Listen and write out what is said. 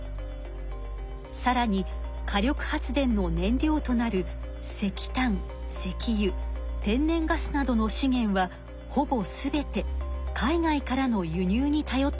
さらに火力発電の燃料となる石炭石油天然ガスなどの資源はほぼ全て海外からの輸入にたよっています。